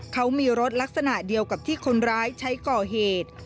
เขามีรถลักษณะเดียวกับที่คนร้ายใช้ก่อเหตุ